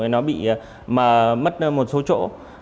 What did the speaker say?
vì nó bị mất một số chỗ